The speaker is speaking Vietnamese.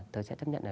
tớ sẽ chấp nhận là